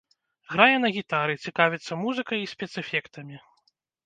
Грае на гітары, цікавіцца музыкай і спецэфектамі.